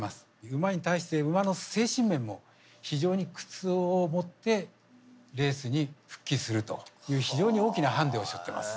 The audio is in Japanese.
馬に対して馬の精神面も非常に苦痛をもってレースに復帰するという非常に大きなハンデをしょってます。